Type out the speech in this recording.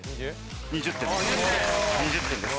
２０点です。